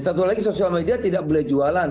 satu lagi sosial media tidak boleh jualan